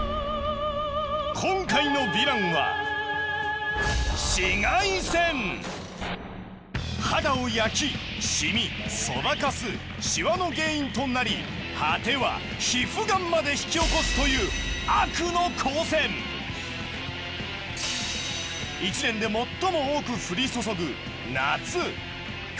今回のヴィランは肌を焼きシミソバカスシワの原因となり果ては皮膚ガンまで引き起こすという一年で最も多く降り注ぐ夏。